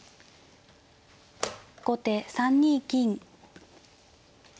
後手３二金。